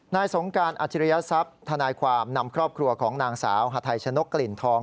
นายสงการอาจิริยสับธนายความนำครอบครัวของนางสาวหัทัยชนกกลิ่นทอง